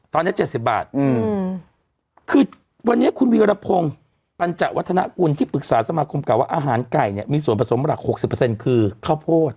ตอนเนี้ยเจ็ดสิบบาทอืมคือวันนี้คุณวิวรพงศ์ปัญจวัฒนากุลที่ปรึกษาสมาคมกับว่าอาหารไก่เนี้ยมีส่วนผสมหลักหกสิบเปอร์เซ็นต์คือข้าวโพด